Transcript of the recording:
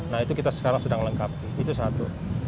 nah itu kita sekarang sedang lengkapi itu satu